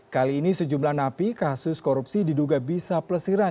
kali ini sejumlah napi kasus korupsi diduga bisa pelesiran